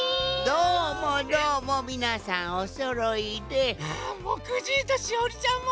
どうもどうもみなさんおそろいで。もくじいとしおりちゃんも。